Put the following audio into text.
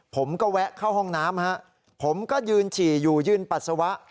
ผมก็แวะเข้าห้องน้ำผมก็ยืนฉี่อยู่ยืนปัสสาวะ